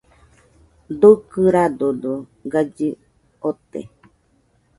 Dukɨradodo galli ote.